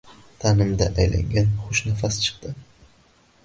Tanimda aylangan xush nafas chiqdi